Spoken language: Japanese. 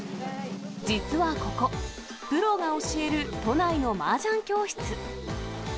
実はここ、プロが教える都内のマージャン教室。